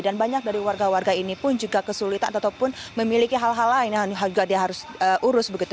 dan banyak dari warga warga ini pun juga kesulitan ataupun memiliki hal hal lain yang harus diurus begitu